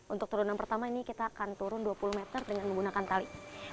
untuk turunan pertama ini kita akan turun dua puluh meter dengan menggunakan tali